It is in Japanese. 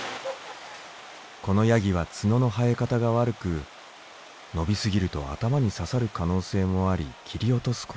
このヤギは角の生え方が悪く伸びすぎると頭に刺さる可能性もあり切り落とすことに。